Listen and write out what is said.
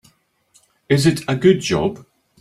Is it a good job?